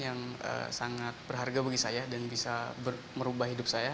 yang sangat berharga bagi saya dan bisa merubah hidup saya